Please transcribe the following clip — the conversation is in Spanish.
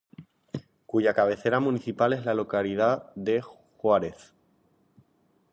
Cuya cabecera municipal es la localidad de Juárez.